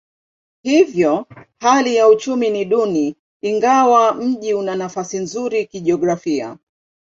Hivyo hali ya uchumi ni duni ingawa mji una nafasi nzuri kijiografia.